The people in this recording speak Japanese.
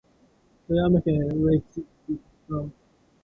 富山県上市町